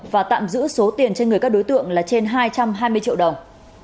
và tạm giữ số tiền trên người các đối tượng là trên hai trăm hai mươi triệu đồng